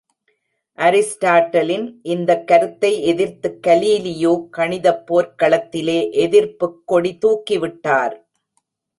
அரிஸ்டாட்டிலின் இந்தக் கருத்தை எதிர்த்துக் கலீலியோ கணிதப் போர்க்களத்திலே எதிர்ப்புக் கொடி தூக்கிவிட்டார்.